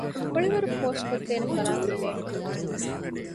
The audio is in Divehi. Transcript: ކުޅިވަރު ކޯޗުކޮށްދޭނެ ފަރާތެއް ބޭނުންވެއްޖެ